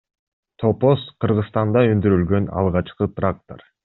Топоз — Кыргызстанда өндүрүлгөн алгачкы трактор.